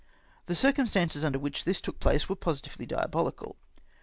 The circumstances under which this took place were positively diabohcal.